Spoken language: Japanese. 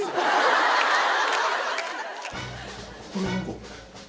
これ何か。